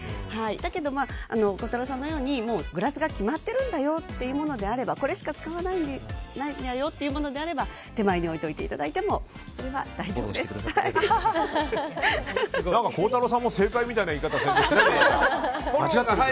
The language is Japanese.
だけど、孝太郎さんのようにグラスが決まってるんだというものだったらこれしか使わないんだよというものであれば手前に置いておいていただいても孝太郎さんも正解みたいな言い方を、先生。